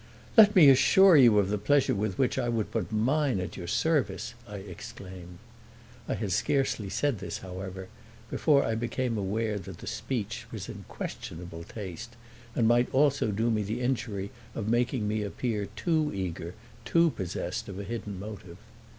"Let me assure you of the pleasure with which I would put mine at your service!" I exclaimed. I had scarcely said this, however, before I became aware that the speech was in questionable taste and might also do me the injury of making me appear too eager, too possessed of a hidden motive.